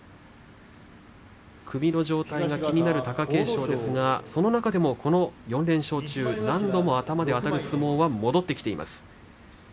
首の状態が気になる貴景勝ですがその中でもこの４連勝中、何度も頭であたる相撲は戻ってきています。